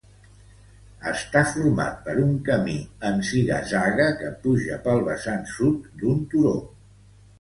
Està format per un camí en ziga-zaga que puja pel vessant sud d'un turó.